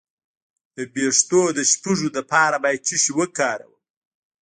د ویښتو د شپږو لپاره باید څه شی وکاروم؟